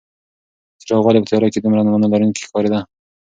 څراغ ولې په تیاره کې دومره مانا لرونکې ښکارېده؟